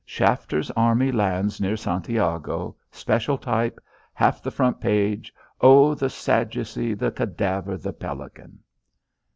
"Shafter's Army Lands near Santiago! Special type! Half the front page! Oh, the Sadducee! The cadaver! The pelican!"